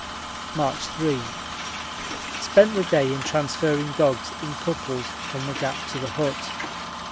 March 3. Spent the day in transferring dogs in couples from the Gap to the hut.